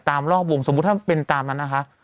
รอบวงสมมุติถ้าเป็นตามนั้นนะคะ